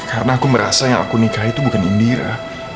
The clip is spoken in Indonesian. karena aku merasa yang aku nikahi itu bukan indira